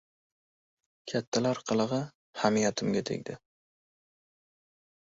Kattalar qilig‘i hamiyatimga tegdi.